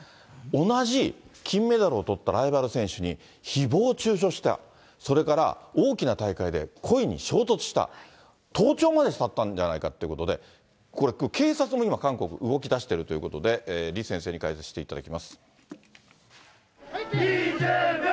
同じ金メダルをとったライバル選手にひぼう中傷した、それから大きな大会で故意に衝突した、盗聴までしたんじゃないかということで、これ、警察も今、韓国、動きだしているということで、李先生に解説していただきます。